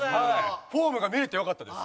フォームが見れてよかったです。